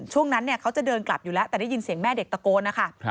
ช่วงนั้นเขาจะเดินกลับอยู่แล้วแต่ได้ยินเสียงแม่เด็กตะโกนนะคะ